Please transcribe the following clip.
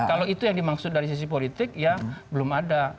kalau itu yang dimaksud dari sisi politik ya belum ada